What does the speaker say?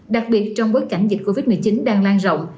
đặc biệt trong bối cảnh dịch covid một mươi chín đang lan rộng